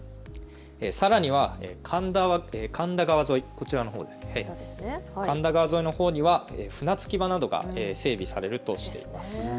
さらには神田川沿い、こちらのほうには船着き場などが整備されるとしています。